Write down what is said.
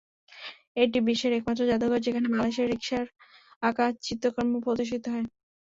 এটি বিশ্বের একমাত্র জাদুঘর যেখানে বাংলাদেশের রিকশায় আঁকা চিত্রকর্ম প্রদর্শিত হয়।